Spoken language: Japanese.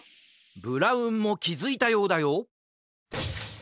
ブラウンもきづいたようだよ